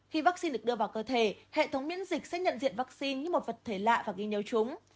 khi vaccine được đưa vào cơ thể hệ thống miễn dịch sẽ nhận diện vaccine như một vật thể lạ và ghi nhớ chúng